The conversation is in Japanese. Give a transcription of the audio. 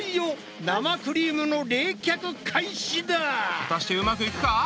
果たしてうまくいくか？